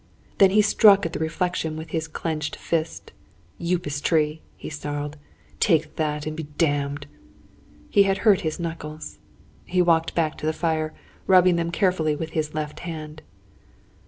Then he struck at the reflection with his clenched fist. "Upas tree!" he snarled. "Take that, and be damned!" He had hurt his knuckles. He walked back to the fire, rubbing them carefully with his left hand.